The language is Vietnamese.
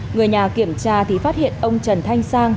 người nhà kiểm tra thì phát hiện ông trần thanh sang